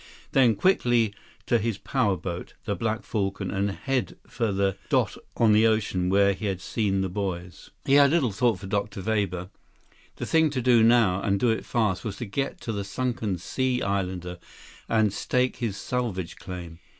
Then, quickly to his power boat, the Black Falcon, and head for the dot on the ocean where he had seen the boys. He had little thought for Dr. Weber. The thing to do now, and do it fast, was to get out to the sunken Sea Islander and stake his salvage claim.